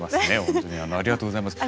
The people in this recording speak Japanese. ほんとにありがとうございます。